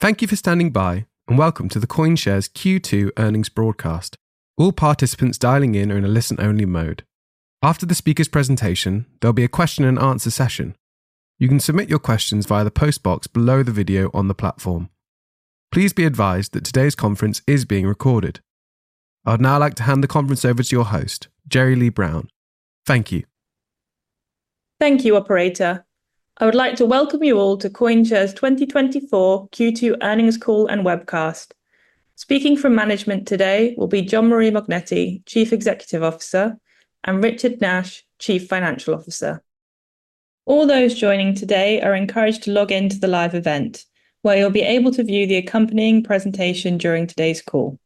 Thank you for standing by, and welcome to the CoinShares Q2 earnings broadcast. All participants dialing in are in a listen-only mode. After the speaker's presentation, there'll be a question and answer session. You can submit your questions via the post box below the video on the platform. Please be advised that today's conference is being recorded. I'd now like to hand the conference over to your host, Jeri-Lea Brown. Thank you. Thank you, operator. I would like to welcome you all to CoinShares' 2024 Q2 earnings call and webcast. Speaking from management today will be Jean-Marie Mognetti, Chief Executive Officer, and Richard Nash, Chief Financial Officer. All those joining today are encouraged to log in to the live event, where you'll be able to view the accompanying presentation during today's call.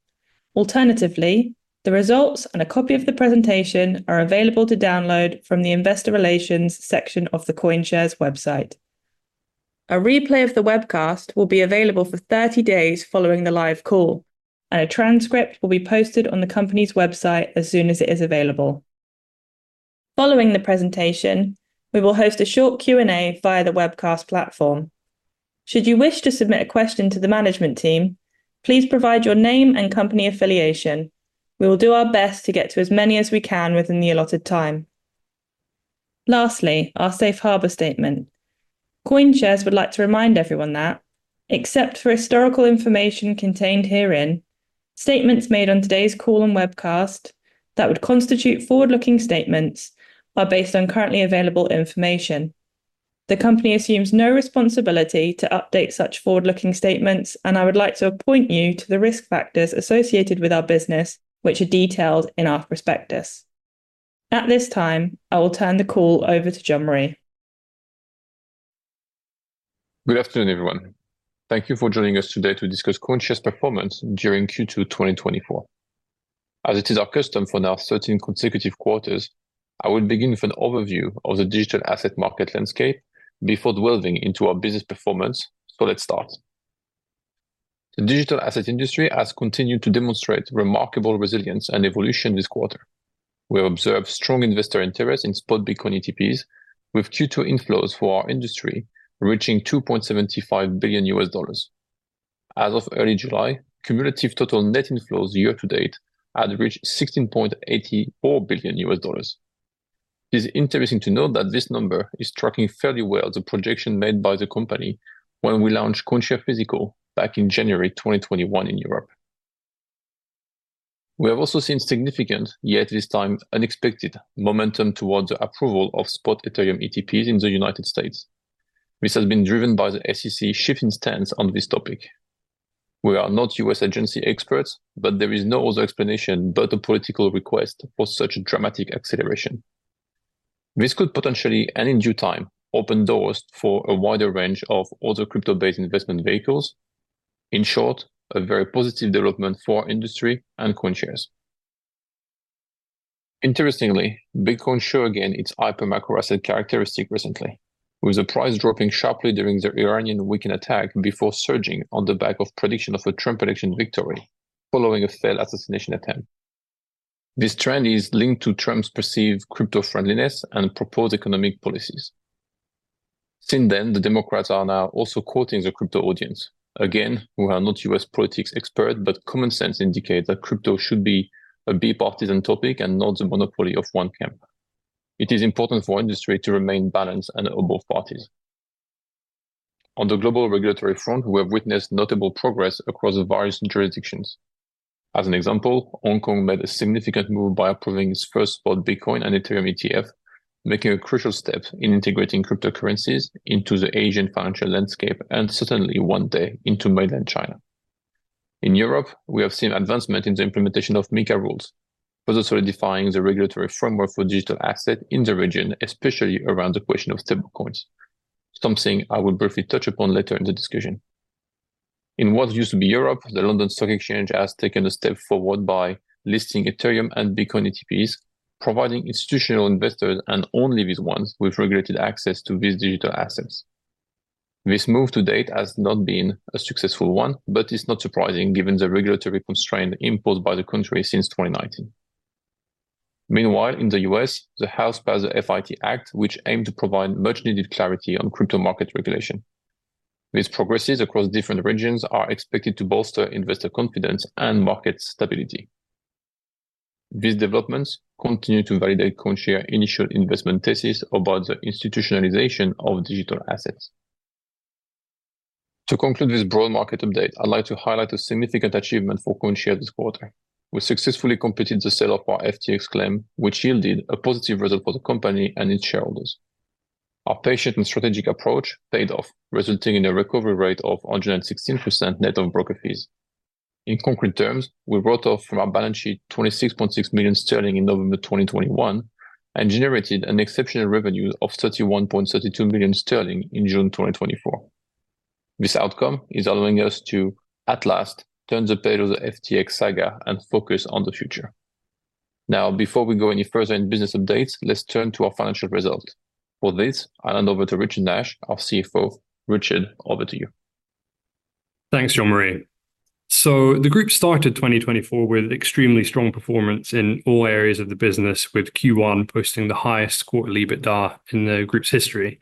Alternatively, the results and a copy of the presentation are available to download from the Investor Relations section of the CoinShares website. A replay of the webcast will be available for 30 days following the live call, and a transcript will be posted on the company's website as soon as it is available. Following the presentation, we will host a short Q&A via the webcast platform. Should you wish to submit a question to the management team, please provide your name and company affiliation. We will do our best to get to as many as we can within the allotted time. Lastly, our safe harbor statement. CoinShares would like to remind everyone that, except for historical information contained herein, statements made on today's call and webcast that would constitute forward-looking statements are based on currently available information. The company assumes no responsibility to update such forward-looking statements, and I would like to point you to the risk factors associated with our business, which are detailed in our prospectus. At this time, I will turn the call over to Jean-Marie. Good afternoon, everyone. Thank you for joining us today to discuss CoinShares' performance during Q2 2024. As it is our custom for now 13 consecutive quarters, I will begin with an overview of the digital asset market landscape before delving into our business performance, so let's start. The digital asset industry has continued to demonstrate remarkable resilience and evolution this quarter. We observed strong investor interest in spot Bitcoin ETPs, with Q2 inflows for our industry reaching $2.75 billion. As of early July, cumulative total net inflows year to date had reached $16.84 billion. It is interesting to note that this number is tracking fairly well the projection made by the company when we launched CoinShares Physical back in January 2021 in Europe. We have also seen significant, yet this time, unexpected momentum towards the approval of spot Ethereum ETPs in the United States. This has been driven by the SEC shifting stance on this topic. We are not U.S. agency experts, but there is no other explanation but a political request for such a dramatic acceleration. This could potentially, and in due time, open doors for a wider range of other crypto-based investment vehicles. In short, a very positive development for our industry and CoinShares. Interestingly, Bitcoin show again its hyper-macroasset characteristic recently, with the price dropping sharply during the Iranian weekend attack before surging on the back of prediction of a Trump election victory following a failed assassination attempt. This trend is linked to Trump's perceived crypto-friendliness and proposed economic policies. Since then, the Democrats are now also courting the crypto audience. Again, we are not U.S. politics expert, but common sense indicate that crypto should be a bipartisan topic and not the monopoly of one camp. It is important for industry to remain balanced and of both parties. On the global regulatory front, we have witnessed notable progress across the various jurisdictions. As an example, Hong Kong made a significant move by approving its first spot, Bitcoin and Ethereum ETF, making a crucial step in integrating cryptocurrencies into the Asian financial landscape and certainly one day into mainland China. In Europe, we have seen advancement in the implementation of MiCA rules, but also defining the regulatory framework for digital asset in the region, especially around the question of stablecoins, something I will briefly touch upon later in the discussion. In what used to be Europe, the London Stock Exchange has taken a step forward by listing Ethereum and Bitcoin ETPs, providing institutional investors, and only these ones, with regulated access to these digital assets. This move to date has not been a successful one, but it's not surprising given the regulatory constraint imposed by the country since 2019. Meanwhile, in the U.S., the House passed the FIT Act, which aimed to provide much-needed clarity on crypto market regulation. These progresses across different regions are expected to bolster investor confidence and market stability. These developments continue to validate CoinShares' initial investment thesis about the institutionalization of digital assets. To conclude this broad market update, I'd like to highlight a significant achievement for CoinShares this quarter. We successfully completed the sale of our FTX claim, which yielded a positive result for the company and its shareholders. Our patient and strategic approach paid off, resulting in a recovery rate of 116% net of broker fees. In concrete terms, we wrote off from our balance sheet 26.6 million sterling in November 2021 and generated an exceptional revenue of 31.32 million sterling in June 2024. This outcome is allowing us to, at last, turn the page of the FTX saga and focus on the future. Now, before we go any further in business updates, let's turn to our financial results. For this, I'll hand over to Richard Nash, our CFO. Richard, over to you. Thanks, Jean-Marie. The group started 2024 with extremely strong performance in all areas of the business, with Q1 posting the highest quarterly EBITDA in the group's history.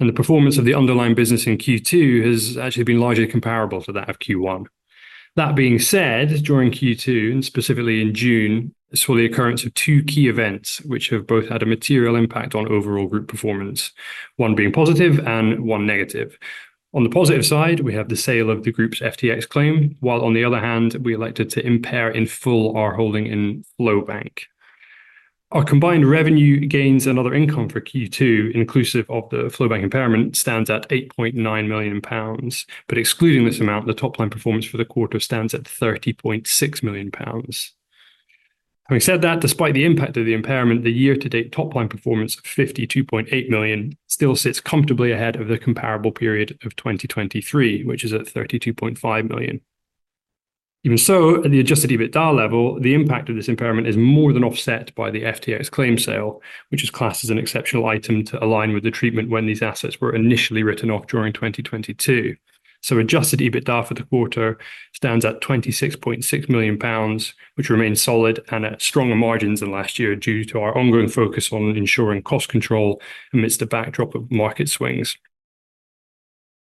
The performance of the underlying business in Q2 has actually been largely comparable to that of Q1. That being said, during Q2, and specifically in June, saw the occurrence of two key events, which have both had a material impact on overall group performance, one being positive and one negative. On the positive side, we have the sale of the group's FTX claim, while on the other hand, we elected to impair in full our holding in FlowBank. Our combined revenue gains and other income for Q2, inclusive of the FlowBank impairment, stands at 8.9 million pounds, but excluding this amount, the top-line performance for the quarter stands at 30.6 million pounds. Having said that, despite the impact of the impairment, the year-to-date top-line performance of 52.8 million still sits comfortably ahead of the comparable period of 2023, which is at 32.5 million. Even so, at the Adjusted EBITDA level, the impact of this impairment is more than offset by the FTX claim sale, which is classed as an exceptional item to align with the treatment when these assets were initially written off during 2022. So Adjusted EBITDA for the quarter stands at 26.6 million pounds, which remains solid and at stronger margins than last year, due to our ongoing focus on ensuring cost control amidst a backdrop of market swings.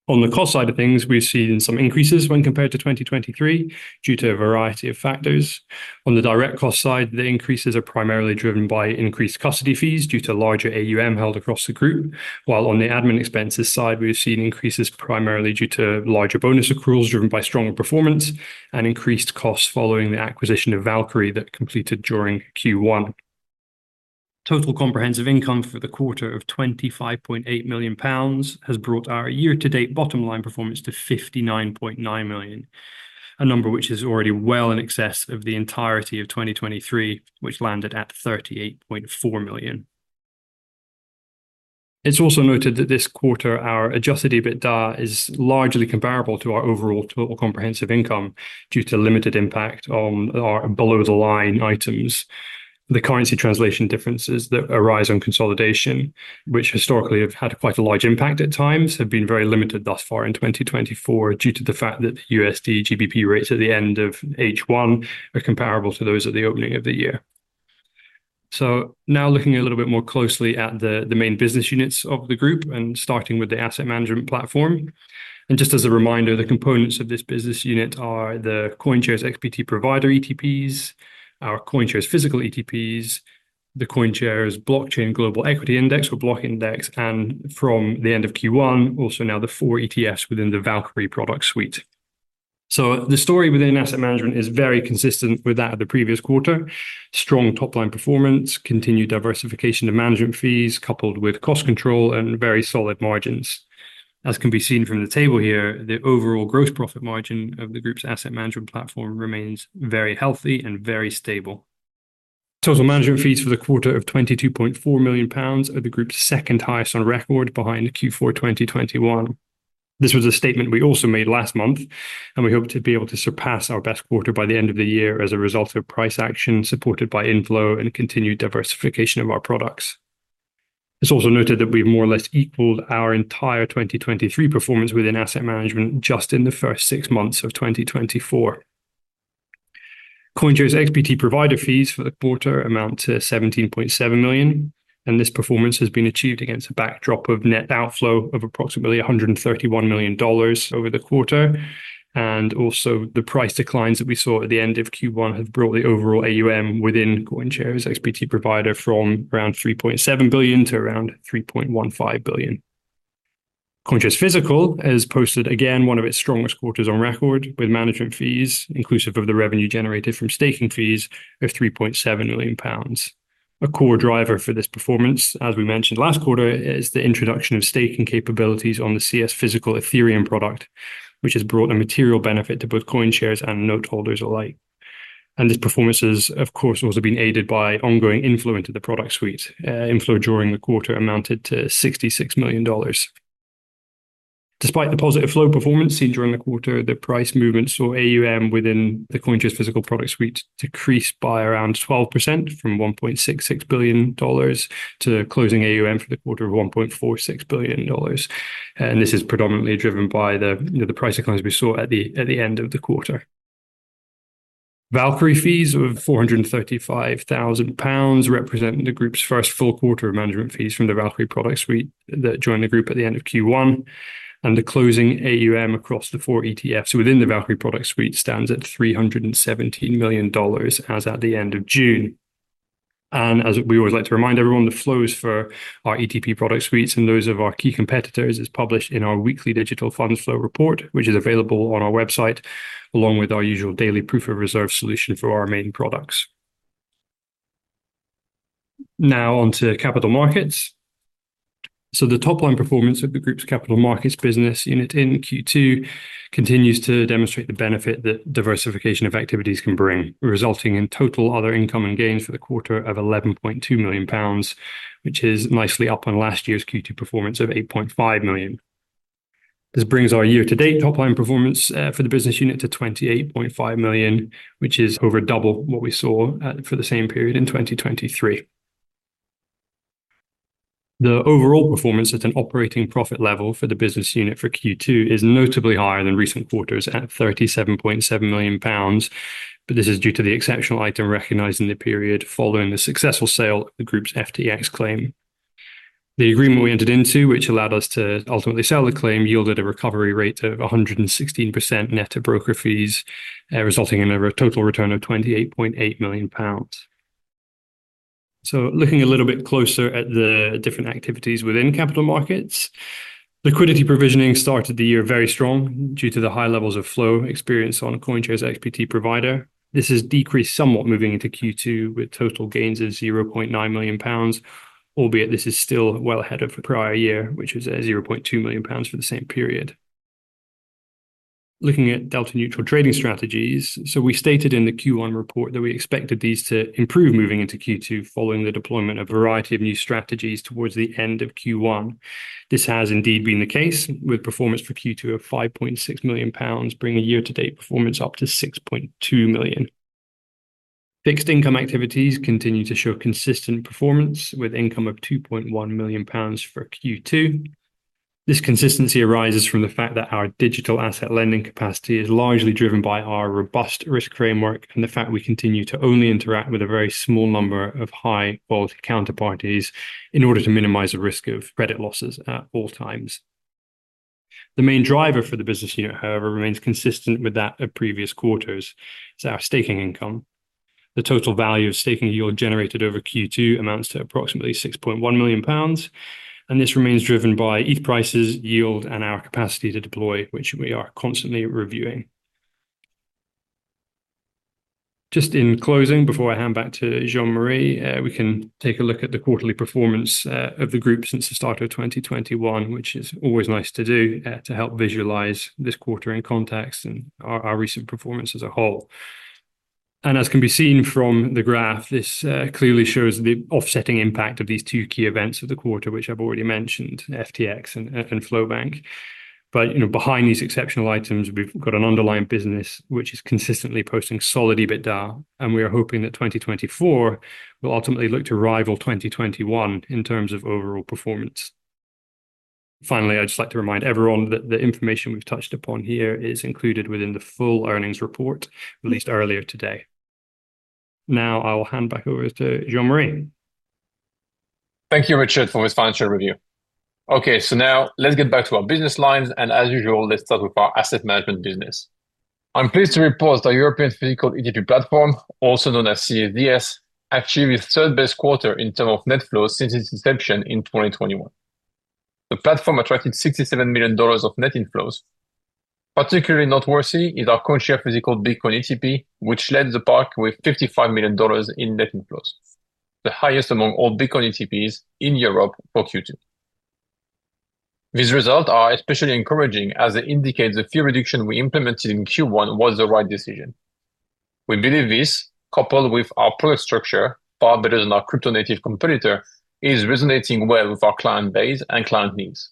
On the cost side of things, we've seen some increases when compared to 2023, due to a variety of factors. On the direct cost side, the increases are primarily driven by increased custody fees due to larger AUM held across the group, while on the admin expenses side, we've seen increases primarily due to larger bonus accruals driven by stronger performance and increased costs following the acquisition of Valkyrie that completed during Q1. Total comprehensive income for the quarter of 25.8 million pounds has brought our year-to-date bottom line performance to 59.9 million, a number which is already well in excess of the entirety of 2023, which landed at 38.4 million. It's also noted that this quarter, our adjusted EBITDA is largely comparable to our overall total comprehensive income due to limited impact on our below-the-line items. The currency translation differences that arise on consolidation, which historically have had quite a large impact at times, have been very limited thus far in 2024, due to the fact that USD-GBP rates at the end of H1 are comparable to those at the opening of the year. So now looking a little bit more closely at the main business units of the group, and starting with the asset management platform. And just as a reminder, the components of this business unit are the CoinShares XBT Provider ETPs, our CoinShares Physical ETPs, the CoinShares Blockchain Global Equity Index, or Block Index, and from the end of Q1, also now the four ETFs within the Valkyrie product suite. So the story within asset management is very consistent with that of the previous quarter. Strong top-line performance, continued diversification of management fees, coupled with cost control and very solid margins. As can be seen from the table here, the overall gross profit margin of the group's asset management platform remains very healthy and very stable. Total management fees for the quarter of 22.4 million pounds are the group's second highest on record behind Q4 2021. This was a statement we also made last month, and we hope to be able to surpass our best quarter by the end of the year as a result of price action, supported by inflow and continued diversification of our products. It's also noted that we've more or less equaled our entire 2023 performance within asset management just in the first six months of 2024. CoinShares XBT Provider fees for the quarter amount to 17.7 million, and this performance has been achieved against a backdrop of net outflow of approximately $131 million over the quarter. Also, the price declines that we saw at the end of Q1 have brought the overall AUM within CoinShares XBT Provider from around $3.7 billion to around $3.15 billion. CoinShares Physical has posted again, one of its strongest quarters on record, with management fees, inclusive of the revenue generated from staking fees, of 3.7 million pounds. A core driver for this performance, as we mentioned last quarter, is the introduction of staking capabilities on the CS Physical Ethereum product, which has brought a material benefit to both CoinShares and note holders alike. And this performance has, of course, also been aided by ongoing inflow into the product suite. Inflow during the quarter amounted to $66 million. Despite the positive flow performance seen during the quarter, the price movement saw AUM within the CoinShares Physical product suite decrease by around 12% from $1.66 billion to the closing AUM for the quarter of $1.46 billion. This is predominantly driven by the, you know, the price declines we saw at the end of the quarter. Valkyrie fees of 435,000 pounds represent the group's first full quarter of management fees from the Valkyrie product suite that joined the group at the end of Q1, and the closing AUM across the four ETFs within the Valkyrie product suite stands at $317 million as at the end of June. As we always like to remind everyone, the flows for our ETP product suites and those of our key competitors is published in our weekly digital funds flow report, which is available on our website, along with our usual daily proof of reserve solution for our main products. Now on to capital markets. The top-line performance of the group's capital markets business unit in Q2 continues to demonstrate the benefit that diversification of activities can bring, resulting in total other income and gains for the quarter of 11.2 million pounds, which is nicely up on last year's Q2 performance of 8.5 million. This brings our year-to-date top-line performance for the business unit to 28.5 million, which is over double what we saw for the same period in 2023. The overall performance at an operating profit level for the business unit for Q2 is notably higher than recent quarters at 37.7 million pounds, but this is due to the exceptional item recognized in the period following the successful sale of the group's FTX claim. The agreement we entered into, which allowed us to ultimately sell the claim, yielded a recovery rate of 116% net of broker fees, resulting in a total return of 28.8 million pounds. So looking a little bit closer at the different activities within capital markets, liquidity provisioning started the year very strong due to the high levels of flow experienced on CoinShares XBT Provider. This has decreased somewhat moving into Q2, with total gains of 0.9 million pounds, albeit this is still well ahead of the prior year, which was at 0.2 million pounds for the same period. Looking at delta-neutral trading strategies, so we stated in the Q1 report that we expected these to improve moving into Q2, following the deployment of a variety of new strategies towards the end of Q1. This has indeed been the case, with performance for Q2 of 5.6 million pounds, bringing a year-to-date performance up to 6.2 million. Fixed income activities continue to show consistent performance, with income of 2.1 million pounds for Q2. This consistency arises from the fact that our digital asset lending capacity is largely driven by our robust risk framework, and the fact we continue to only interact with a very small number of high-quality counterparties in order to minimize the risk of credit losses at all times. The main driver for the business unit, however, remains consistent with that of previous quarters, is our staking income. The total value of staking yield generated over Q2 amounts to approximately 6.1 million pounds, and this remains driven by ETH prices, yield, and our capacity to deploy, which we are constantly reviewing. Just in closing, before I hand back to Jean-Marie, we can take a look at the quarterly performance of the group since the start of 2021, which is always nice to do, to help visualize this quarter in context and our recent performance as a whole. And as can be seen from the graph, this clearly shows the offsetting impact of these two key events of the quarter, which I've already mentioned, FTX and FlowBank. But, you know, behind these exceptional items, we've got an underlying business which is consistently posting solid EBITDA, and we are hoping that 2024 will ultimately look to rival 2021 in terms of overall performance. Finally, I'd just like to remind everyone that the information we've touched upon here is included within the full earnings report released earlier today. Now, I will hand back over to Jean-Marie. Thank you, Richard, for this financial review. Okay, so now let's get back to our business lines, and as usual, let's start with our asset management business. I'm pleased to report our European Physical ETP platform, also known as CSDS, achieved its third-best quarter in terms of net flows since its inception in 2021. The platform attracted $67 million of net inflows. Particularly noteworthy is our CoinShares Physical Bitcoin ETP, which led the pack with $55 million in net inflows, the highest among all Bitcoin ETPs in Europe for Q2. These results are especially encouraging, as they indicate the fee reduction we implemented in Q1 was the right decision. We believe this, coupled with our product structure, far better than our crypto native competitor, is resonating well with our client base and client needs.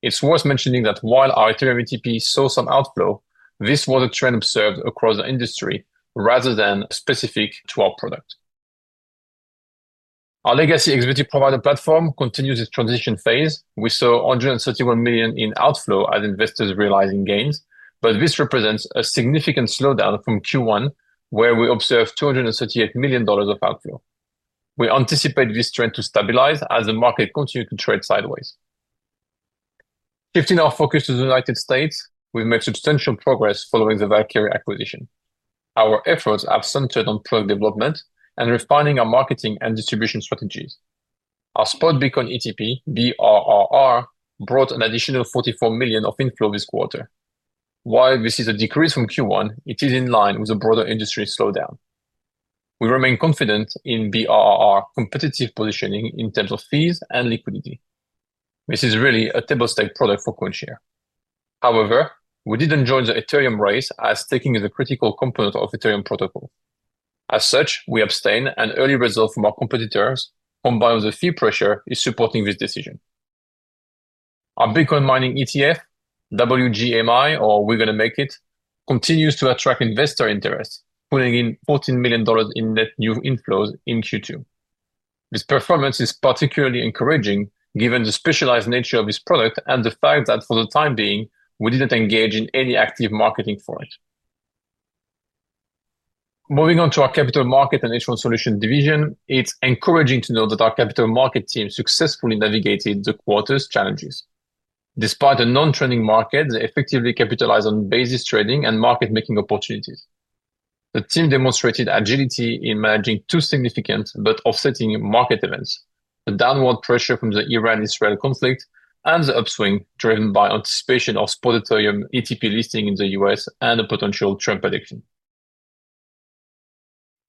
It's worth mentioning that while our Ethereum ETP saw some outflow, this was a trend observed across the industry rather than specific to our product. Our legacy XBT Provider platform continues its transition phase. We saw $131 million in outflow as investors realizing gains, but this represents a significant slowdown from Q1, where we observed $238 million of outflow. We anticipate this trend to stabilize as the market continues to trade sideways. Shifting our focus to the United States, we've made substantial progress following the Valkyrie acquisition. Our efforts have centered on product development and refining our marketing and distribution strategies. Our spot Bitcoin ETP, BRRR, brought an additional $44 million of inflow this quarter. While this is a decrease from Q1, it is in line with the broader industry slowdown. We remain confident in BRRR competitive positioning in terms of fees and liquidity. This is really a table-stakes product for CoinShares. However, we didn't join the Ethereum race, as staking is a critical component of Ethereum protocol. As such, we abstain, and early results from our competitors, combined with the fee pressure, is supporting this decision. Our Bitcoin Mining ETF, WGMI, or "We're Gonna Make It," continues to attract investor interest, pulling in $14 million in net new inflows in Q2. This performance is particularly encouraging given the specialized nature of this product and the fact that for the time being, we didn't engage in any active marketing for it. Moving on to our Capital Markets and Hedge Fund Solutions division, it's encouraging to know that our capital markets team successfully navigated the quarter's challenges. Despite a non-trending market, they effectively capitalized on basis trading and market-making opportunities. The team demonstrated agility in managing two significant but offsetting market events: the downward pressure from the Iran-Israel conflict and the upswing, driven by anticipation of spot Ethereum ETP listing in the U.S. and a potential Trump election.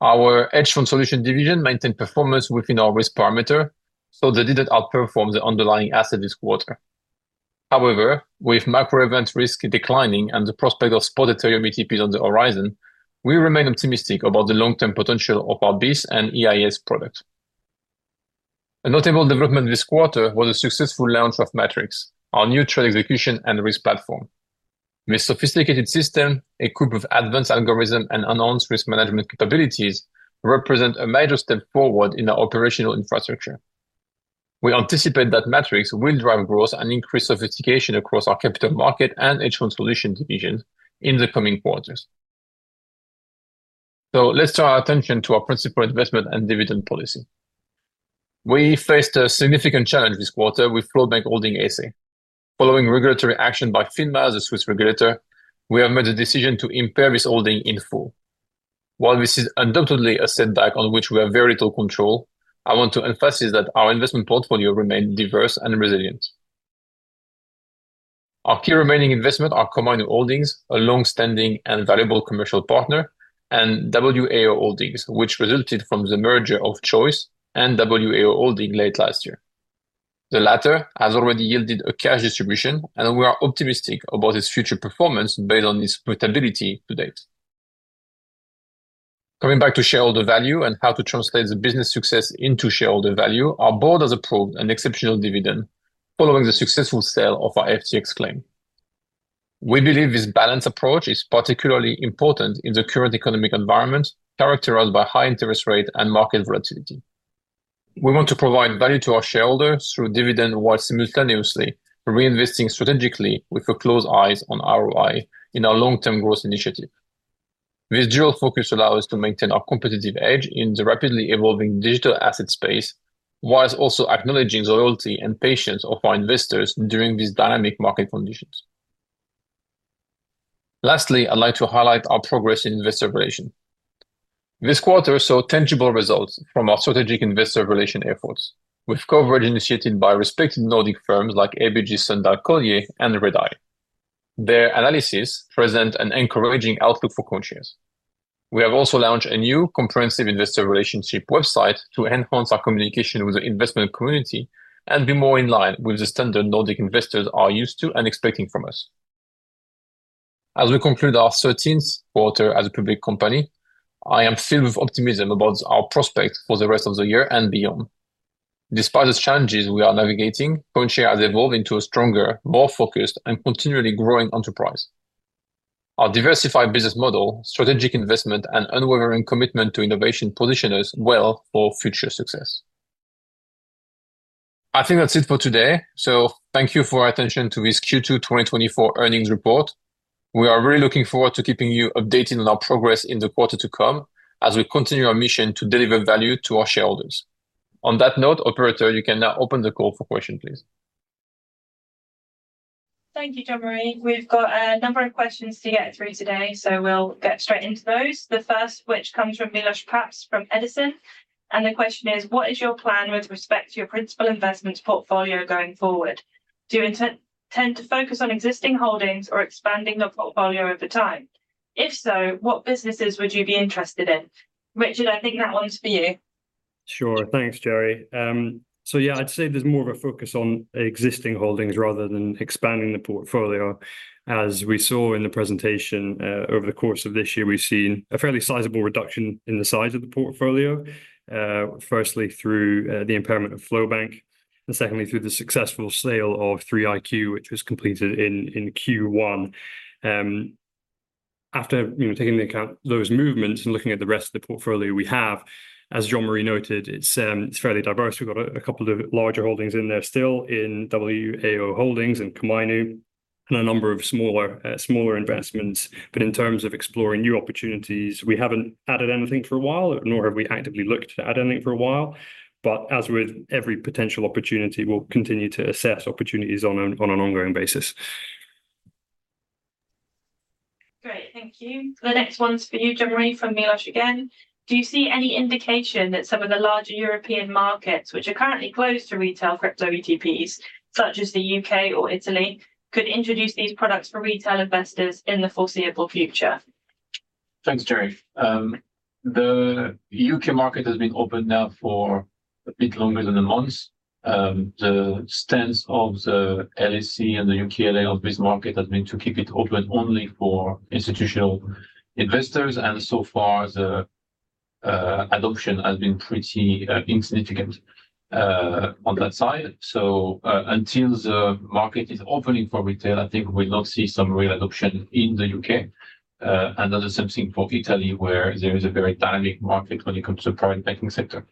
Our Hedge Fund Solutions division maintained performance within our risk parameter, so they didn't outperform the underlying asset this quarter. However, with macro event risk declining and the prospect of spot Ethereum ETPs on the horizon, we remain optimistic about the long-term potential of our business and EIS product. A notable development this quarter was the successful launch of Matrix, our new trade execution and risk platform. This sophisticated system, equipped with advanced algorithm and enhanced risk management capabilities, represent a major step forward in our operational infrastructure. We anticipate that Matrix will drive growth and increase sophistication across our capital market and insurance solution division in the coming quarters. So let's turn our attention to our principal investment and dividend policy. We faced a significant challenge this quarter with FlowBank Holding SA. Following regulatory action by FINMA, the Swiss regulator, we have made the decision to impair this holding in full. While this is undoubtedly a setback on which we have very little control, I want to emphasize that our investment portfolio remain diverse and resilient. Our key remaining investment, our combined holdings, a long-standing and valuable commercial partner, and WAO Holdings, which resulted from the merger of Choice and WAO Holdings late last year. The latter has already yielded a cash distribution, and we are optimistic about its future performance based on its profitability to date. Coming back to shareholder value and how to translate the business success into shareholder value, our board has approved an exceptional dividend following the successful sale of our FTX claim. We believe this balanced approach is particularly important in the current economic environment, characterized by high interest rates and market volatility. We want to provide value to our shareholders through dividends, while simultaneously reinvesting strategically with a close eye on ROI in our long-term growth initiative. This dual focus allow us to maintain our competitive edge in the rapidly evolving digital asset space, while also acknowledging the loyalty and patience of our investors during these dynamic market conditions. Lastly, I'd like to highlight our progress in investor relations. This quarter saw tangible results from our strategic investor relations efforts, with coverage initiated by respected Nordic firms like ABG Sundal Collier and Redeye. Their analysis present an encouraging outlook for CoinShares. We have also launched a new comprehensive investor relationship website to enhance our communication with the investment community, and be more in line with the standard Nordic investors are used to and expecting from us. As we conclude our thirteenth quarter as a public company, I am filled with optimism about our prospects for the rest of the year and beyond. Despite the challenges we are navigating, CoinShares has evolved into a stronger, more focused, and continually growing enterprise. Our diversified business model, strategic investment, and unwavering commitment to innovation position us well for future success. I think that's it for today. So thank you for your attention to this Q2 2024 earnings report. We are really looking forward to keeping you updated on our progress in the quarter to come, as we continue our mission to deliver value to our shareholders. On that note, operator, you can now open the call for question, please. Thank you, Jean-Marie. We've got a number of questions to get through today, so we'll get straight into those. The first, which comes from Miloš Sznajder from Edison Group, and the question is: What is your plan with respect to your principal investments portfolio going forward? Do you intend to focus on existing holdings or expanding the portfolio over time? If so, what businesses would you be interested in? Richard, I think that one's for you. Sure. Thanks, Jeri. So yeah, I'd say there's more of a focus on existing holdings rather than expanding the portfolio. As we saw in the presentation, over the course of this year, we've seen a fairly sizable reduction in the size of the portfolio. Firstly, through the impairment of FlowBank, and secondly, through the successful sale of 3iQ, which was completed in Q1. After you know, taking into account those movements and looking at the rest of the portfolio we have, as Jean-Marie noted, it's fairly diverse. We've got a couple of larger holdings in there still in WAO Holdings and Komainu, and a number of smaller investments. But in terms of exploring new opportunities, we haven't added anything for a while, nor have we actively looked to add anything for a while. But as with every potential opportunity, we'll continue to assess opportunities on an ongoing basis. Great, thank you. The next one's for you, Jean-Marie, from Miloš again. Do you see any indication that some of the larger European markets, which are currently closed to retail crypto ETPs, such as the UK or Italy, could introduce these products for retail investors in the foreseeable future? Thanks, Jean. The UK market has been open now for a bit longer than a month. The stance of the FCA and the UK FCA of this market has been to keep it open only for institutional investors, and so far, the adoption has been pretty insignificant on that side. So, until the market is opening for retail, I think we'll not see some real adoption in the UK. And that is same thing for Italy, where there is a very dynamic market when it comes to the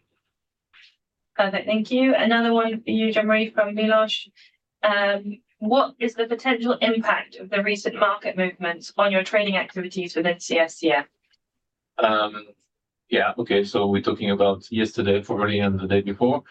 private banking sector. Perfect. Thank you. Another one for you, Jean-Marie, from Miloš. What is the potential impact of the recent market movements on your trading activities within CSCM? Yeah. Okay, so we're talking about yesterday, probably, and the day before.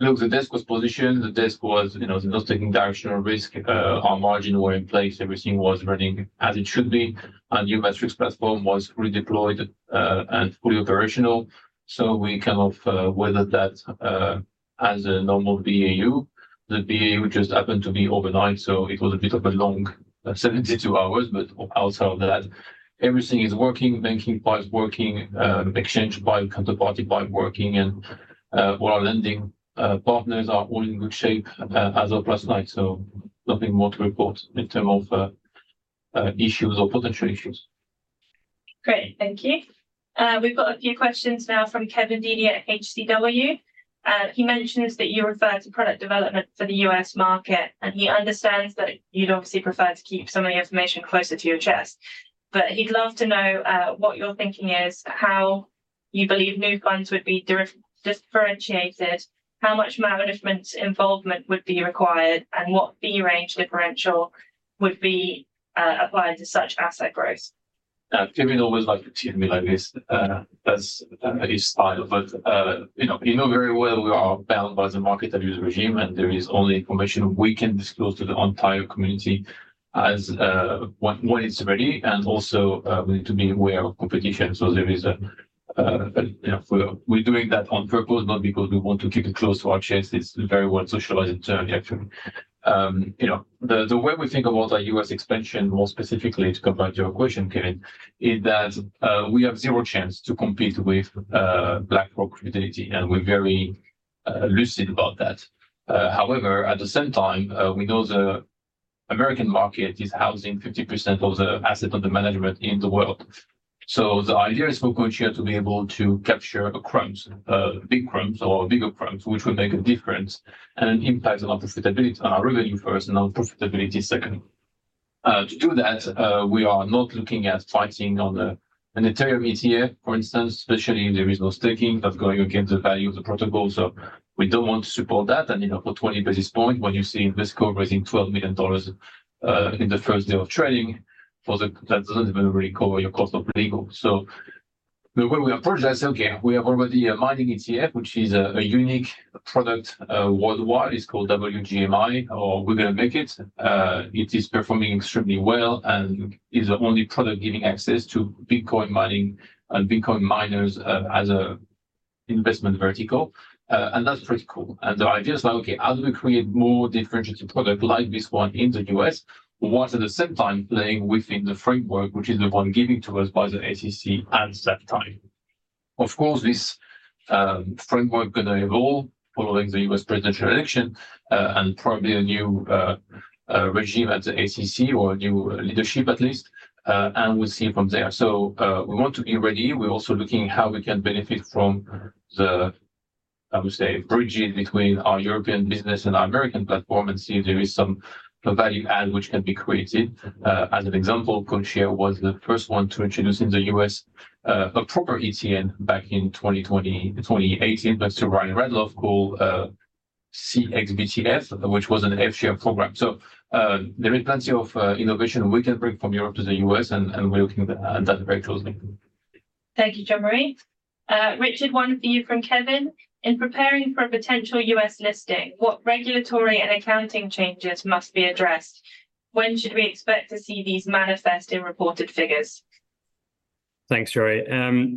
Look, the desk was positioned, the desk was, you know, not taking directional risk. Our margins were in place, everything was running as it should be, and new MATRIX platform was redeployed, and fully operational. So we kind of weathered that, as a normal BAU. The BAU just happened to be overnight, so it was a bit of a long 72 hours. But outside of that, everything is working, banking part is working, exchange by, counterparty by working, and all our lending partners are all in good shape, as of last night. So nothing more to report in terms of issues or potential issues. Great, thank you. We've got a few questions now from Kevin Dede at HCW. He mentions that you referred to product development for the U.S. market, and he understands that you'd obviously prefer to keep some of the information closer to your chest. But he'd love to know what your thinking is, how you believe new funds would be differentiated, how much management involvement would be required, and what fee range differential would be applied to such asset growth? Kevin always like to treat me like this, that's his style. But, you know, he know very well we are bound by the market abuse regime, and there is only information we can disclose to the entire community as, when it's ready, and also, we need to be aware of competition. So there is a, you know, we're doing that on purpose, not because we want to keep it close to our chest. It's very well socialized internally, actually. You know, the way we think about our US expansion, more specifically to come back to your question, Kevin, is that, we have zero chance to compete with, BlackRock credibility, and we're very, lucid about that. However, at the same time, we know the American market is housing 50% of the asset under management in the world. So the idea is for CoinShares to be able to capture a crumbs, big crumbs or bigger crumbs, which would make a difference and impact on our profitability, on our revenue first and on profitability second. To do that, we are not looking at fighting on the, on the retail ETF, for instance, especially if there is no staking of going against the value of the protocol. So we don't want to support that. And, you know, for 20 basis points, when you see Invesco raising $12 million in the first day of trading, for the... That doesn't even recover your cost of legal. So the way we approach that, say, okay, we have already a mining ETF, which is a unique product worldwide. It's called WGMI, or We're Gonna Make It. It is performing extremely well and is the only product giving access to Bitcoin mining and Bitcoin miners as a investment vertical. And that's pretty cool. And the idea is like, okay, how do we create more differentiated product like this one in the US, while at the same time playing within the framework, which is the one given to us by the SEC at this time? Of course, this framework gonna evolve following the US presidential election, and probably a new regime at the SEC or a new leadership at least, and we'll see from there. So we want to be ready. We're also looking how we can benefit from the, I would say, bridging between our European business and our American platform and see if there is some value add which can be created. As an example, CoinShares was the first one to introduce in the US a proper ETN back in 2018, thanks to Ryan Radloff, called CXBTF, which was an F share program. So, there is plenty of innovation we can bring from Europe to the US, and we're looking at that very closely. Thank you, Jean-Marie. Richard, one for you from Kevin. In preparing for a potential U.S. listing, what regulatory and accounting changes must be addressed? When should we expect to see these manifest in reported figures? Thanks, Cherry.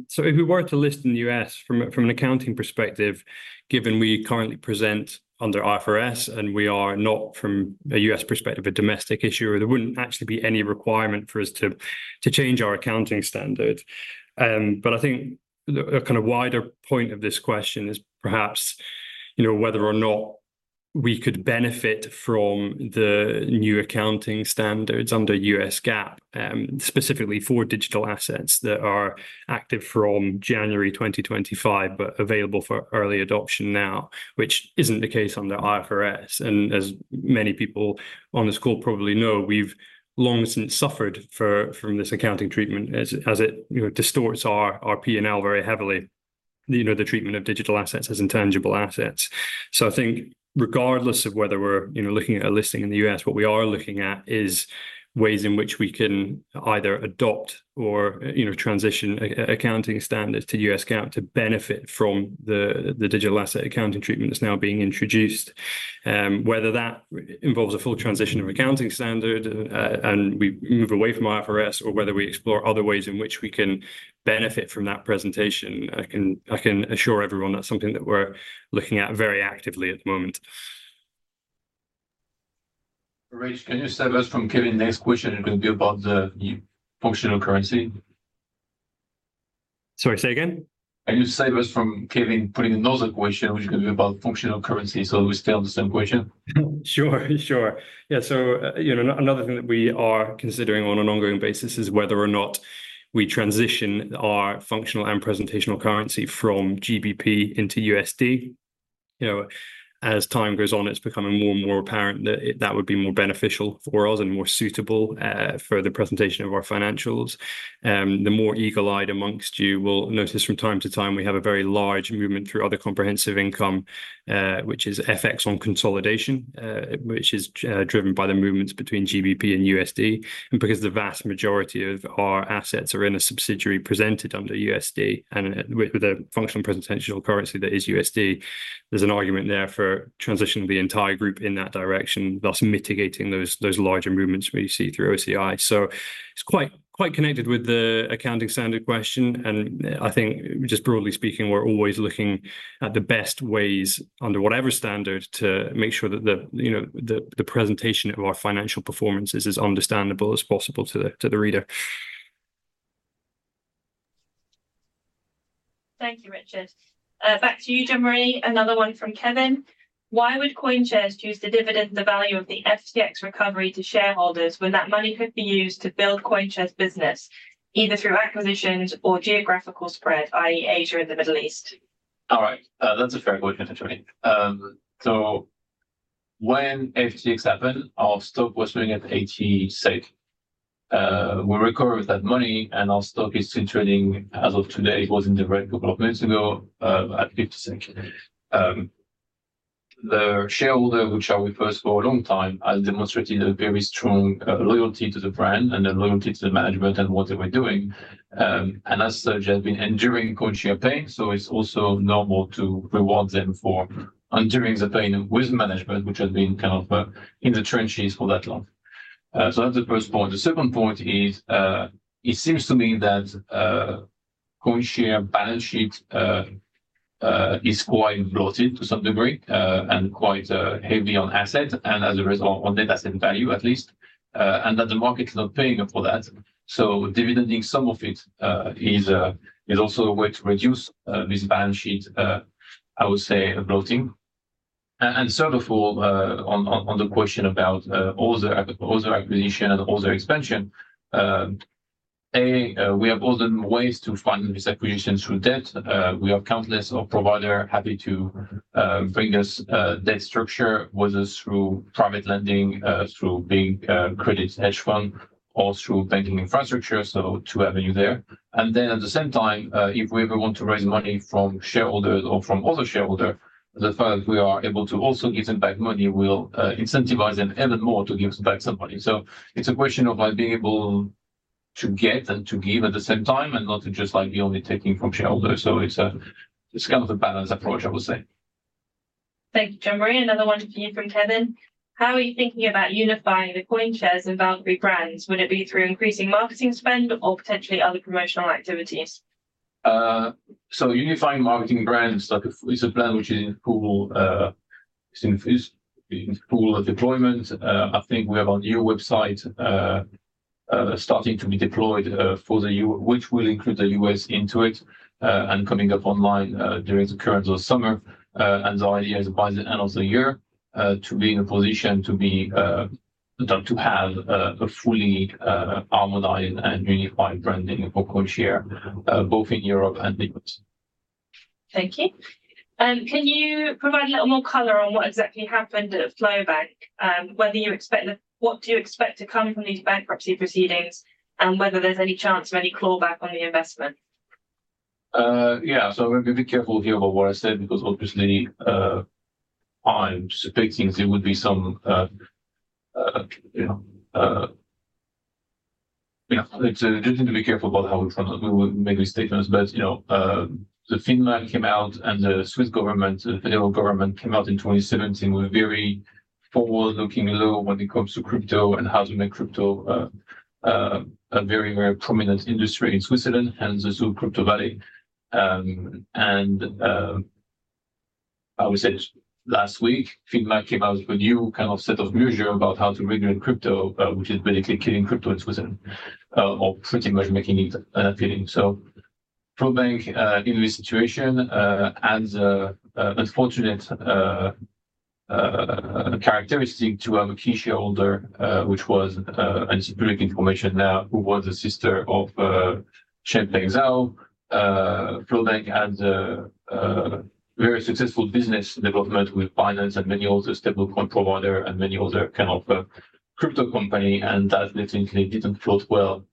So if we were to list in the US from an accounting perspective, given we currently present under IFRS, and we are not, from a US perspective, a domestic issuer, there wouldn't actually be any requirement for us to change our accounting standard. But I think a kind of wider point of this question is perhaps, you know, whether or not we could benefit from the new accounting standards under US GAAP, specifically for digital assets that are active from January 2025, but available for early adoption now, which isn't the case under IFRS. As many people on this call probably know, we've long since suffered from this accounting treatment as it, you know, distorts our P&L very heavily, you know, the treatment of digital assets as intangible assets. So I think regardless of whether we're, you know, looking at a listing in the US, what we are looking at is ways in which we can either adopt or, you know, transition a accounting standards to US GAAP to benefit from the digital asset accounting treatment that's now being introduced. Whether that involves a full transition of accounting standard and we move away from IFRS, or whether we explore other ways in which we can benefit from that presentation, I can assure everyone that's something that we're looking at very actively at the moment. Rich, can you save us from Kevin's next question? It will be about the new functional currency. Sorry, say again? Can you save us from Kevin putting another question, which is gonna be about functional currency, so we stay on the same question? Sure, sure. Yeah, so, you know, another thing that we are considering on an ongoing basis is whether or not we transition our functional and presentational currency from GBP into USD. You know, as time goes on, it's becoming more and more apparent that that would be more beneficial for us and more suitable for the presentation of our financials. The more eagle-eyed amongst you will notice from time to time, we have a very large movement through other comprehensive income, which is FX on consolidation, which is driven by the movements between GBP and USD. And because the vast majority of our assets are in a subsidiary presented under USD, and with a functional presentational currency that is USD, there's an argument there for transitioning the entire group in that direction, thus mitigating those larger movements we see through OCI. It's quite, quite connected with the accounting standard question, and I think, just broadly speaking, we're always looking at the best ways under whatever standard to make sure that the, you know, the presentation of our financial performance is as understandable as possible to the reader. Thank you, Richard. Back to you, Jean-Marie, another one from Kevin: "Why would CoinShares choose to dividend the value of the FTX recovery to shareholders when that money could be used to build CoinShares business, either through acquisitions or geographical spread, i.e., Asia and the Middle East? All right, that's a fair question, actually. So when FTX happened, our stock was running at €0.80. We recovered that money, and our stock is still trading as of today, it was in the red a couple of months ago, at €0.50. The shareholder, which are with us for a long time, has demonstrated a very strong, loyalty to the brand and a loyalty to the management and what they were doing. And as such, has been enduring CoinShares pain, so it's also normal to reward them for enduring the pain with management, which has been kind of, in the trenches for that long. So that's the first point. The second point is, it seems to me that, CoinShares balance sheet is quite bloated to some degree, and quite heavy on assets, and as a result, on data center value at least, and that the market is not paying for that. So dividending some of it is also a way to reduce this balance sheet, I would say, bloating. And third of all, on the question about other acquisition and other expansion, we have other ways to fund this acquisition through debt. We have countless of provider happy to bring us debt structure, whether through private lending, through big credit hedge fund or through banking infrastructure, so two avenue there. And then at the same time, if we ever want to raise money from shareholders or from other shareholder, the fact we are able to also give them back money will incentivize them even more to give us back some money. So it's a question of by being able to get and to give at the same time, and not to just like be only taking from shareholders. So it's a, it's kind of a balanced approach, I would say. Thank you, Jean-Marie. Another one for you from Kevin: "How are you thinking about unifying the CoinShares and Valkyrie brands? Would it be through increasing marketing spend or potentially other promotional activities? So unifying marketing brands, like, is a plan which is in full deployment. I think we have our new website starting to be deployed for the US, which will include the US into it, and coming up online during the current summer. And the idea is by the end of the year to be in a position to have a fully online and unified branding for CoinShares, both in Europe and the US. Thank you. Can you provide a little more color on what exactly happened at FlowBank? What do you expect to come from these bankruptcy proceedings, and whether there's any chance of any clawback on the investment? Yeah. So I'm going to be careful here about what I said, because obviously, I'm suspecting there would be some, you know... Yeah, it's, I just need to be careful about how we try to, we make these statements. But, you know, the FINMA came out and the Swiss government, the federal government came out in 2017 with a very forward-looking law when it comes to crypto and how to make crypto, a very, very prominent industry in Switzerland, and so Crypto Valley. And, I would say last week, FINMA came out with a new kind of set of measure about how to regulate crypto, which is basically killing crypto in Switzerland, or pretty much making it, killing. So FlowBank, in this situation, adds a unfortunate characteristic to our key shareholder, which was, and it's public information now, who was the sister of Changpeng Zhao. FlowBank had a very successful business development with Binance and many other stablecoin provider and many other kind of crypto company, and that basically didn't float well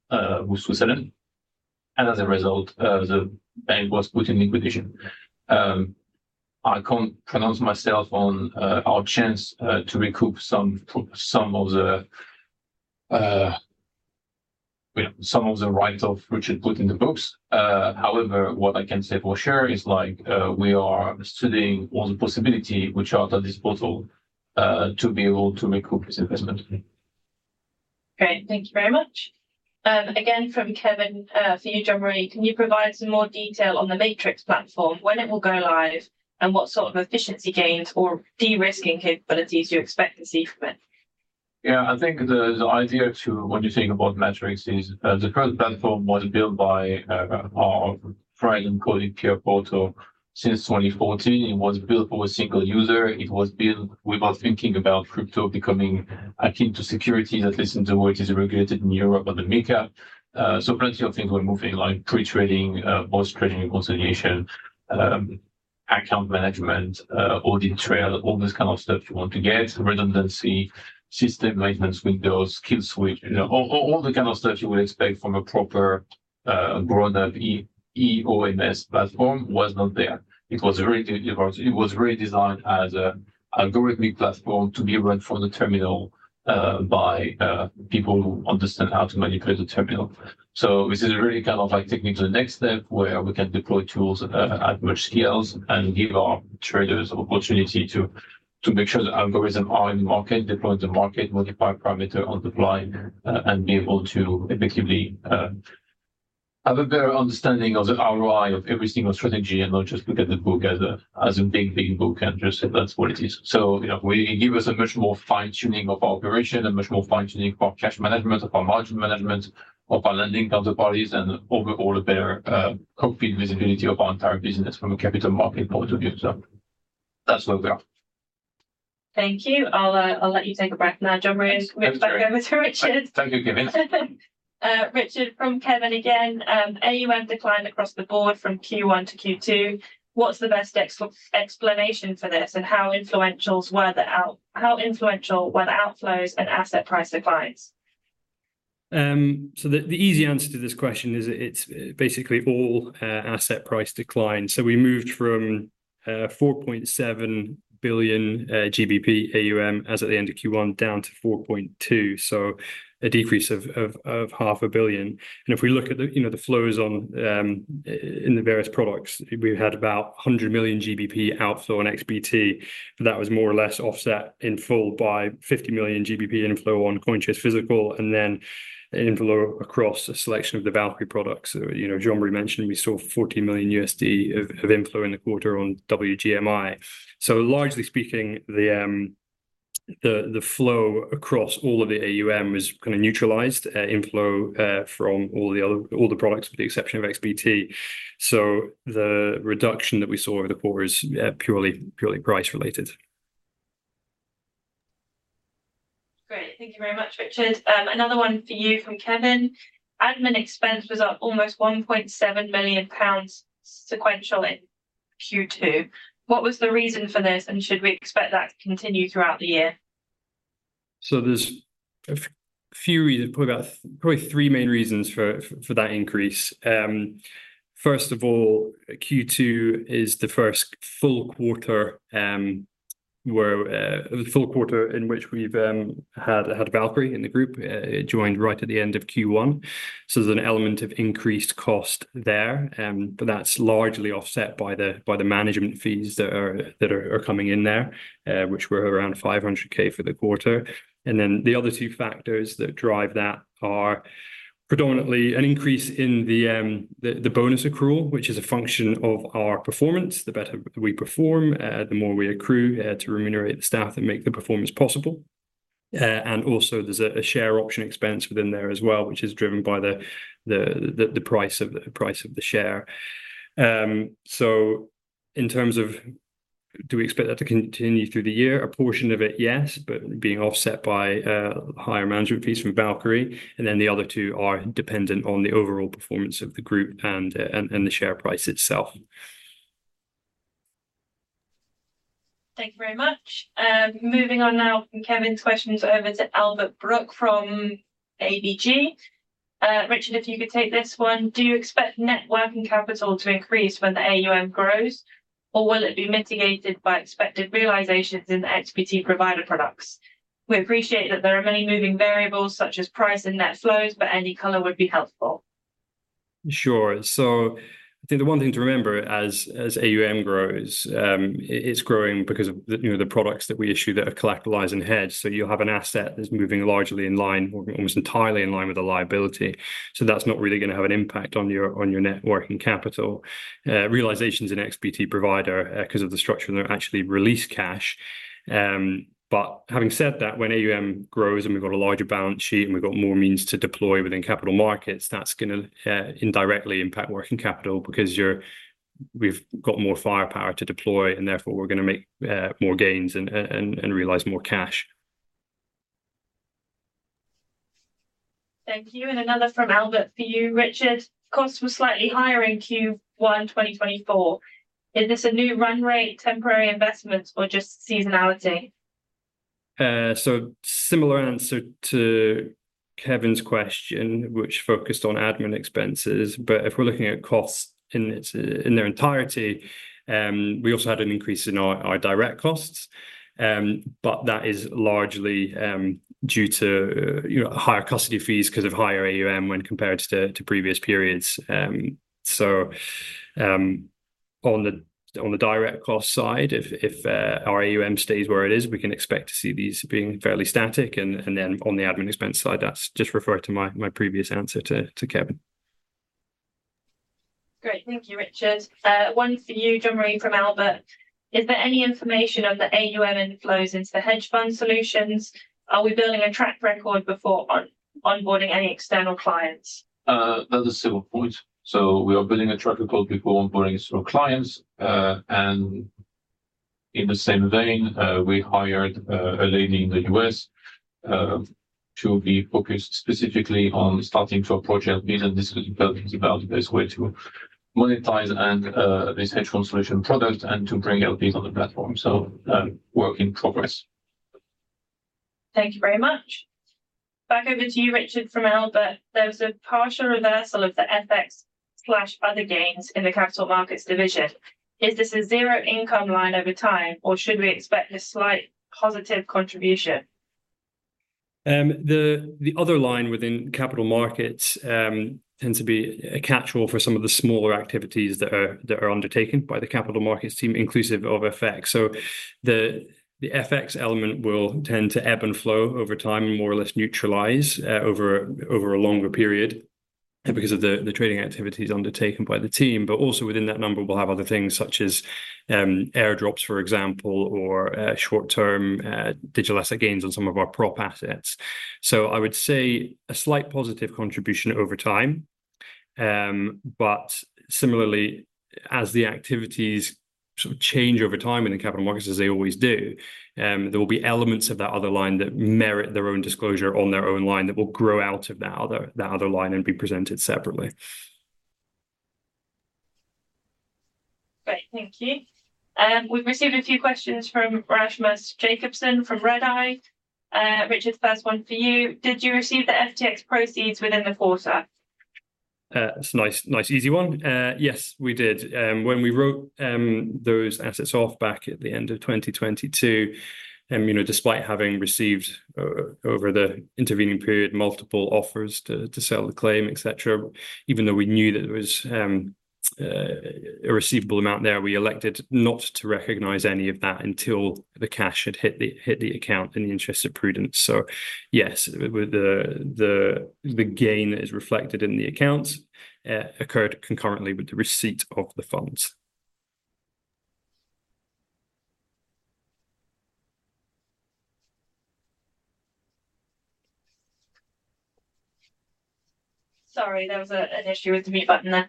with Switzerland. And as a result, the bank was put in liquidation. I can't pronounce myself on our chance to recoup some, some of the, you know, some of the rights of which it put in the books. However, what I can say for sure is, like, we are studying all the possibility which are at this portal to be able to recoup this investment. Great. Thank you very much. Again, from Kevin, for you, Jean-Marie: "Can you provide some more detail on the Matrix platform, when it will go live, and what sort of efficiency gains or de-risking capabilities you expect to see from it? Yeah, I think the idea, when you think about Matrix, is the current platform was built by our friend and colleague, Pierpaolo. Since 2014, it was built for a single user. It was built without thinking about crypto becoming akin to security, at least in the way it is regulated in Europe or the MiCA. So plenty of things were moving, like pre-trading, post-trading consolidation, account management, audit trail, all this kind of stuff you want to get, redundancy, system maintenance windows, kill switch. You know, all the kind of stuff you would expect from a proper, grown-up OEMS platform was not there. It was very difficult. It was really designed as an algorithmic platform to be run from the terminal, by people who understand how to manipulate the terminal. So this is really kind of like taking to the next step, where we can deploy tools at much scales and give our traders opportunity to make sure the algorithm are in the market, deploy the market, modify parameter on the fly, and be able to effectively have a better understanding of the ROI of every single strategy, and not just look at the book as a big, big book, and just say, "That's what it is." So, you know, we give us a much more fine-tuning of our operation, a much more fine-tuning of our cash management, of our margin management, of our lending counter parties, and overall a better complete visibility of our entire business from a capital market point of view. So that's where we are. Thank you. I'll, I'll let you take a breath now. Jean-Marie, we'll back over to Richard. Thank you, Kevin. Richard, from Kevin again, AUM declined across the board from Q1 to Q2. What's the best explanation for this, and how influential were the outflows and asset price declines? So the easy answer to this question is it's basically all asset price decline. So we moved from 4.7 billion GBP AUM, as at the end of Q1, down to 4.2 billion, so a decrease of 500 million. And if we look at the, you know, the flows on in the various products, we've had about 100 million GBP outflow on XBT, but that was more or less offset in full by 50 million GBP inflow on CoinShares Physical, and then an inflow across a selection of the Valkyrie products. You know, Jean-Marie mentioned we saw $40 million of inflow in the quarter on WGMI. So largely speaking, the the flow across all of the AUM was kind of neutralized, inflow from all the other all the products, with the exception of XBT. The reduction that we saw over the quarter is purely price related. Great. Thank you very much, Richard. Another one for you from Kevin: Admin expense was up almost 1.7 million pounds sequential in Q2. What was the reason for this, and should we expect that to continue throughout the year? So there's a few reasons, probably three main reasons, for that increase. First of all, Q2 is the first full quarter in which we've had Valkyrie in the group. It joined right at the end of Q1, so there's an element of increased cost there. But that's largely offset by the management fees that are coming in there, which were around $500,000 for the quarter. And then the other two factors that drive that are predominantly an increase in the bonus accrual, which is a function of our performance. The better we perform, the more we accrue to remunerate the staff that make the performance possible. And also there's a share option expense within there as well, which is driven by the price of the share. So in terms of do we expect that to continue through the year? A portion of it, yes, but being offset by higher management fees from Valkyrie, and then the other two are dependent on the overall performance of the group and the share price itself. Thank you very much. Moving on now from Kevin's questions over to Albert Möller from ABG. Richard, if you could take this one. Do you expect net working capital to increase when the AUM grows, or will it be mitigated by expected realizations in the XBT Provider products? We appreciate that there are many moving variables, such as price and net flows, but any color would be helpful. Sure. So I think the one thing to remember as AUM grows, it's growing because of the, you know, the products that we issue that are collateralized and hedged. So you'll have an asset that's moving largely in line or almost entirely in line with the liability. So that's not really gonna have an impact on your net working capital. Realizations in XBT Provider, 'cause of the structure, they're actually released cash. But having said that, when AUM grows, and we've got a larger balance sheet, and we've got more means to deploy within capital markets, that's gonna indirectly impact working capital because we've got more firepower to deploy, and therefore we're gonna make more gains and realize more cash. Thank you, and another from Albert for you, Richard. Costs were slightly higher in Q1 2024. Is this a new run rate, temporary investments, or just seasonality? So similar answer to Kevin's question, which focused on admin expenses. But if we're looking at costs in their entirety, we also had an increase in our direct costs. But that is largely due to you know, higher custody fees 'cause of higher AUM when compared to previous periods. So on the direct cost side, if our AUM stays where it is, we can expect to see these being fairly static. And then on the admin expense side, that's just refer to my previous answer to Kevin. Great. Thank you, Richard. One for you, Jean-Marie, from Albert: Is there any information on the AUM inflows into the hedge fund solutions? Are we building a track record before onboarding any external clients? That's a simple point. So we are building a track record before onboarding some clients. And in the same vein, we hired a lady in the U.S. to be focused specifically on starting to approach LP, and this is about the best way to monetize and this hedge fund solution product and to bring LPs on the platform. So, work in progress. Thank you very much. Back over to you, Richard, from Albert. There was a partial reversal of the FX/other gains in the capital markets division. Is this a zero income line over time, or should we expect a slight positive contribution? The other line within capital markets tends to be a catchall for some of the smaller activities that are undertaken by the capital markets team, inclusive of FX. So the FX element will tend to ebb and flow over time, more or less neutralize over a longer period and because of the trading activities undertaken by the team. But also within that number, we'll have other things such as airdrops, for example, or short-term digital asset gains on some of our prop assets. So I would say a slight positive contribution over time. But similarly, as the activities sort of change over time in the capital markets, as they always do, there will be elements of that other line that merit their own disclosure on their own line that will grow out of that other, that other line and be presented separately. Great, thank you. We've received a few questions from Rasmus Jacobsson from Redeye. Richard, first one for you: did you receive the FTX proceeds within the quarter? It's a nice, nice easy one. Yes, we did. When we wrote those assets off back at the end of 2022, you know, despite having received over the intervening period multiple offers to sell the claim, et cetera, even though we knew that there was a receivable amount there, we elected not to recognize any of that until the cash had hit the account in the interest of prudence. So yes, with the gain is reflected in the accounts occurred concurrently with the receipt of the funds. Sorry, there was an issue with the mute button there.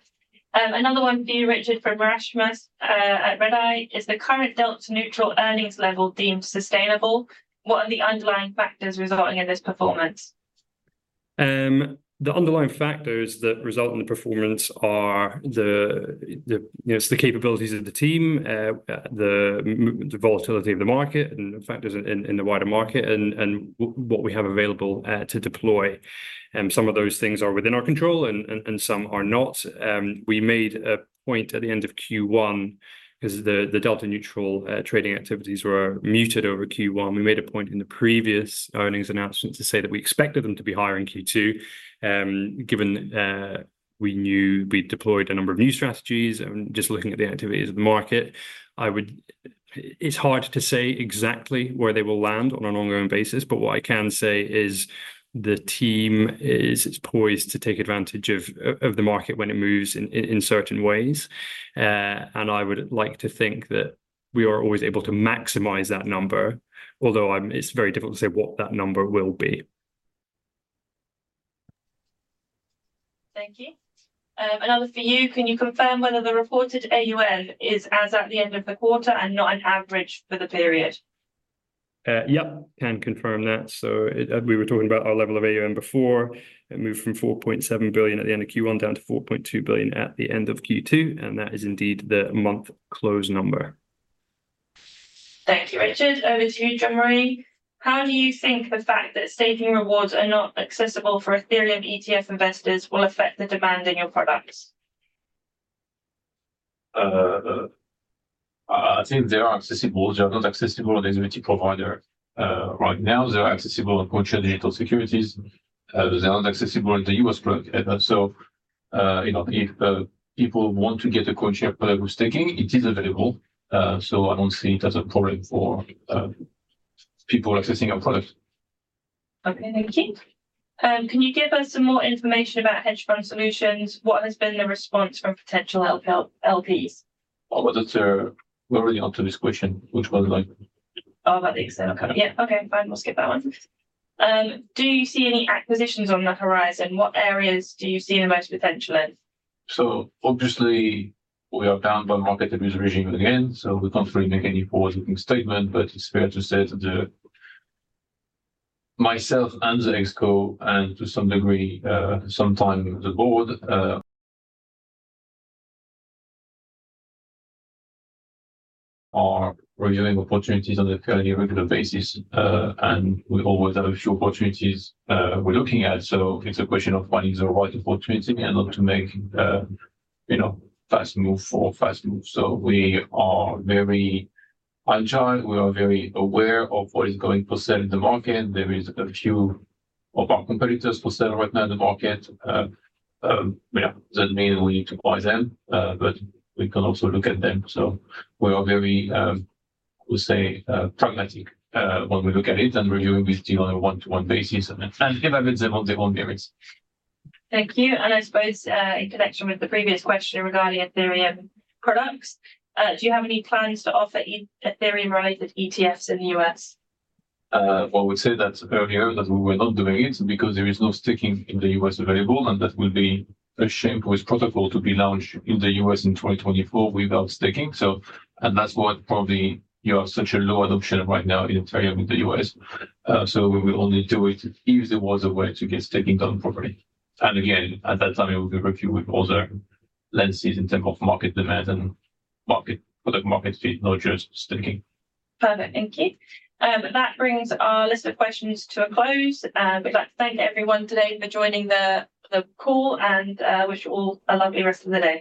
Another one for you, Richard, from Rasmus at Redeye. Is the current delta-neutral earnings level deemed sustainable? What are the underlying factors resulting in this performance? The underlying factors that result in the performance are the, you know, it's the capabilities of the team, the volatility of the market and the factors in the wider market and what we have available to deploy. Some of those things are within our control, and some are not. We made a point at the end of Q1, 'cause the delta neutral trading activities were muted over Q1. We made a point in the previous earnings announcement to say that we expected them to be higher in Q2, given we knew we'd deployed a number of new strategies, and just looking at the activities of the market, I would... It's hard to say exactly where they will land on an ongoing basis, but what I can say is the team is poised to take advantage of the market when it moves in certain ways. I would like to think that we are always able to maximize that number, although it's very difficult to say what that number will be. Thank you. Another for you. Can you confirm whether the reported AUM is as at the end of the quarter and not an average for the period? Yep, can confirm that. So we were talking about our level of AUM before. It moved from $4.7 billion at the end of Q1 down to $4.2 billion at the end of Q2, and that is indeed the month close number. Thank you, Richard. Over to you, Jean-Marie. How do you think the fact that staking rewards are not accessible for Ethereum ETF investors will affect the demand in your products? I think they are accessible. They are not accessible on the provider. Right now, they are accessible on CoinShares Digital Securities. They are not accessible in the US product. So, you know, if people want to get a CoinShares product with staking, it is available, so I don't see it as a problem for people accessing our product. Okay, thank you. Can you give us some more information about hedge fund solutions? What has been the response from potential LP, LPs? Oh, but it's, we're already onto this question. Which one like? Oh, about the external kind. Yeah, okay, fine. We'll skip that one. Do you see any acquisitions on the horizon? What areas do you see the most potential in? So obviously, we are bound by market abuse regime again, so we can't really make any forward-looking statement. But it's fair to say that the, myself and the ExCo, and to some degree, sometime the board, are reviewing opportunities on a fairly regular basis, and we always have a few opportunities, we're looking at. So it's a question of when is the right opportunity and not to make, you know, fast move for fast move. So we are very agile, we are very aware of what is going for sale in the market. There is a few of our competitors for sale right now in the market. Yeah, doesn't mean we need to buy them, but we can also look at them. So we are very pragmatic when we look at it and reviewing with you on a one-to-one basis, and if they want, they won't be at risk. Thank you, and I suppose, in connection with the previous question regarding Ethereum products, do you have any plans to offer Ethereum-related ETFs in the U.S.? Well, we said that earlier, that we were not doing it because there is no staking in the US available, and that will be a shame for this protocol to be launched in the US in 2024 without staking. So... And that's what probably, you have such a low adoption right now in Ethereum in the US. So we will only do it if there was a way to get staking done properly. And again, at that time, it will be reviewed with other lenses in terms of market demand and market, product market fit, not just staking. Perfect, thank you. That brings our list of questions to a close. We'd like to thank everyone today for joining the call and wish you all a lovely rest of the day.